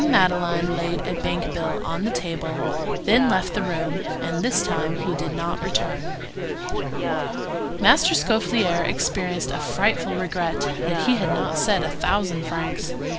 Madeleine laid a bank bill on the table, then left the room; and this time he did not return. Master Scaufflaire experienced a frightful regret that he had not said a thousand francs.